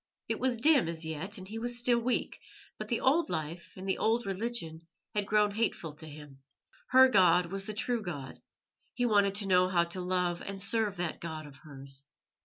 It was dim as yet, and he was still weak; but the old life and the old religion had grown hateful to him. Her God was the true God; he wanted to know how to love and serve that God of hers.